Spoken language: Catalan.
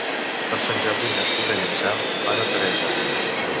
Per Sant Jordi na Sira i en Sam van a Teresa.